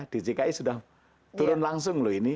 djki sudah turun langsung loh ini